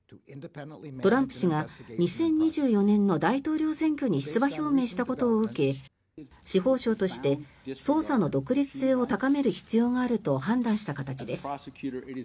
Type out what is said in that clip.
トランプ氏が２０２４年の大統領選挙に出馬表明したことを受け司法省として捜査の独立性を高める必要があると判断した形です。